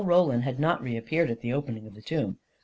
Roland had not re appeared at the opening in the tomb.